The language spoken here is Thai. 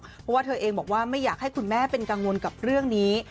เพราะว่าเธอเองบอกว่าไม่อยากให้คุณแม่เป็นกังวลกับเรื่องนี้